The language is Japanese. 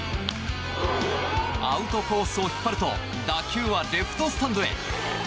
アウトコースを引っ張ると打球はレフトスタンドへ。